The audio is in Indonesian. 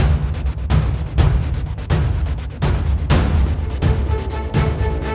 yang maha kuasa akan menolongmu